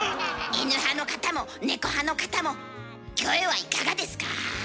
イヌ派の方もネコ派の方もキョエはいかがですか？